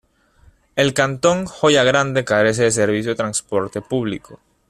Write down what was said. El cantón Joya Grande carece de servicio de transporte público.